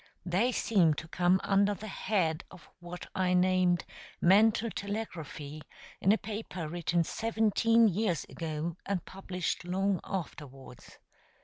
They seem to come under the head of what I named "Mental Telegraphy" in a paper written seventeen years ago, and published long afterwards.